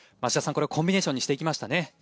これはコンビネーションにしていきましたね。